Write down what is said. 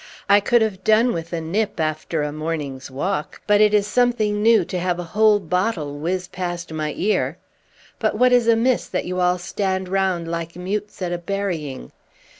"I could have done with a nip after a morning's walk, but it is something new to have a whole bottle whizz past my ear. But what is amiss, that you all stand round like mutes at a burying?"